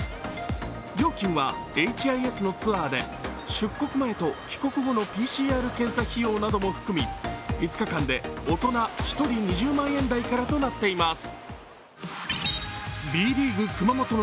料金はＨＩＳのツアーで出国前と帰国後のＰＣＲ検査費用なども含み、５日間で大人１人２０万円台からとなっています。